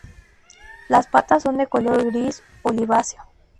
Las patas son de color gris oliváceo.